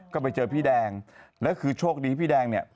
ก็ไปเจอพี่แดงแล้วคือโชคดีพี่แดงเนี่ย